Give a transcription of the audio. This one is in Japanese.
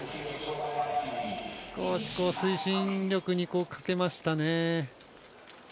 少し推進力に欠けましたね。